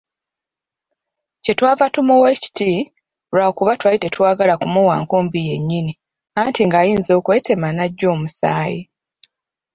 Kye twava tumuwa ekiti lwakuba twali tetwagala kumuwa nkumbi yennyini anti ng’ayinza okwetema n’ajja omusaayi.